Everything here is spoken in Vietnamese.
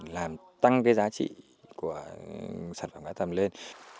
làm tăng cái giá trị của sản phẩm hóa tầm lên